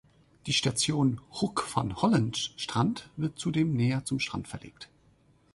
Die Station "Hoek van Holland Strand" wird zudem näher zum Strand verlegt.